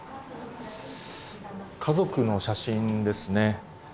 家族の写真ですね。